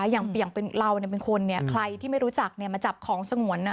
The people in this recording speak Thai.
อย่างเราเป็นคนใครที่ไม่รู้จักมาจับของสงวน